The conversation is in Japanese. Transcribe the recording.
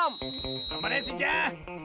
がんばれスイちゃん！